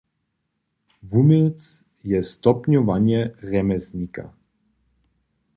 Wuměłc je stopnjowanje rjemjeslnika.